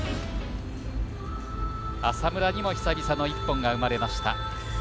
浅村にも久々の一本が生まれました。